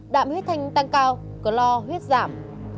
đạm huyết thanh tăng cao cờ lo huyết giảm